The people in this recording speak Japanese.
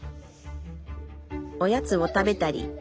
おやつを食べたり。